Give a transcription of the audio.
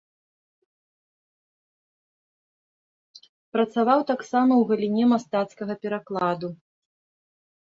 Працаваў таксама ў галіне мастацкага перакладу.